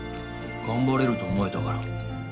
頑張れると思えたから。